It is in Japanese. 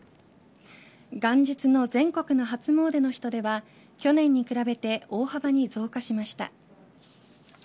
元日の全国の初詣の人出は去年に比べて大幅に増加しました。